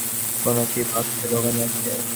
আমার মন বলে, সে ছবি তার কোনো একটি বাক্সে লুকানো আছে।